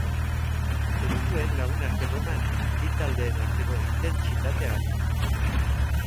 Ez zuen lagunarteko eman, bi taldeen arteko intentsitateagatik.